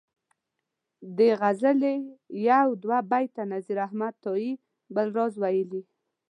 دې غزلي یو دوه بیته نذیر احمد تائي بل راز ویلي.